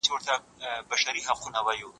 له خپله لاسه را رسېدلي